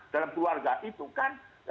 dalam keluarga itu kan